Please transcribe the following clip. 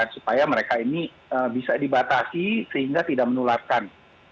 supaya mereka ini bisa dibatasi sehingga tidak menularkan